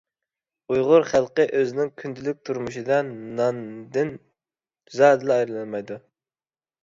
ئۇيغۇر خەلقى ئۆزىنىڭ كۈندىلىك تۇرمۇشىدا ناندىن زادىلا ئايرىلالمايدۇ.